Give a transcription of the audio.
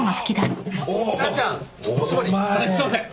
すいません！